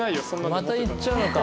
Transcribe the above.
また行っちゃうのか。